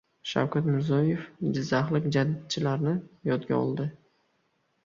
Shavkat Mirziyoyev jizzaxlik jadidchilarni yodga oldi